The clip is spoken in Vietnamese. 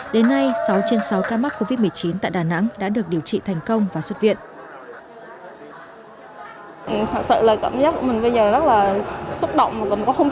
đến nay sáu trên sáu ca mắc covid một mươi chín tại đà nẵng đã được điều trị thành công và xuất viện